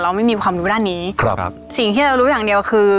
ไม่มีความรู้ด้านนี้ครับสิ่งที่เรารู้อย่างเดียวคือ